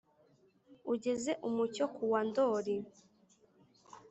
ugeze umucyo ku wa ndoli,